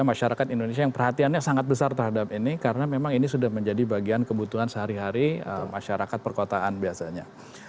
masyarakat indonesia yang perhatiannya sangat besar terhadap ini karena memang ini sudah menjadi bagian kebutuhan sehari hari masyarakat perkotaan biasanya